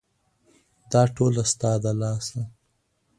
دا ټوله ستا د لاسه !